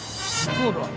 そうだ。